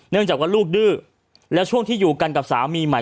จากว่าลูกดื้อแล้วช่วงที่อยู่กันกับสามีใหม่